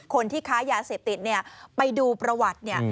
คนที่ค้ายาเสพติดไปดูประวัติ